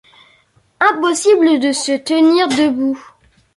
Impossible de se tenir debout.